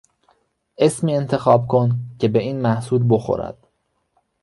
اسمی انتخاب کن که به این محصول بخورد.